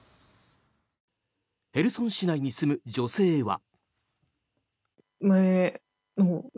ヘルソン市内に住む女性は。